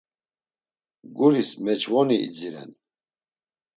Guris meç̌voni idziren.